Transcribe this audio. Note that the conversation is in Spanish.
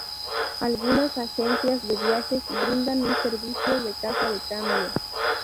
Algunas agencias de viajes brindan un servicio de casa de cambio.